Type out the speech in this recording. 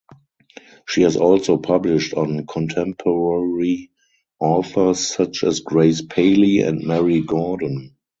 She has also published on contemporary authors such as Grace Paley and Mary Gordon.